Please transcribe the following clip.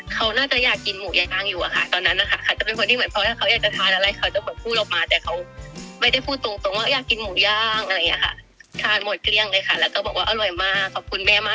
จริงแล้วล่ะเอาลองจริงก่อนว่าอร่อยหรือเปล่าอร่อยจริงก่อนเถอะ